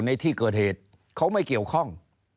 ในที่เกิดเหตุเขาไม่เกี่ยวข้อง